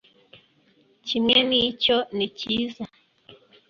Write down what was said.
kimwe nkicyo. nicyiza